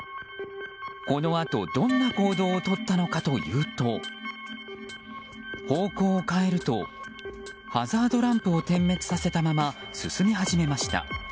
このあと、どんな行動をとったのかというと方向を変えるとハザードランプを点滅させたまま進み始めました。